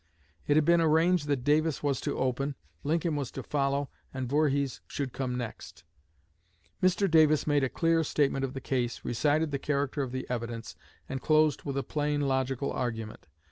It had been arranged that Davis was to open, Lincoln was to follow, and Voorhees should come next. Mr. Davis made a clear statement of the case, recited the character of the evidence, and closed with a plain logical argument.